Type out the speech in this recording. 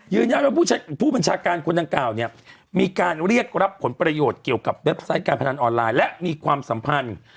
ว่าผู้บัญชาการคนดังกล่าวเนี่ยมีการเรียกรับผลประโยชน์เกี่ยวกับเว็บไซต์การพนันออนไลน์และมีความสัมพันธ์